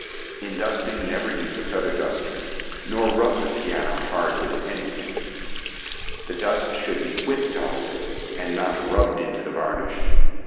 In dusting never use a feather duster, nor rub the piano hard with anything. The dust should be whipped off, and not rubbed into the varnish.